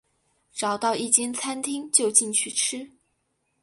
找到一间餐厅就进去吃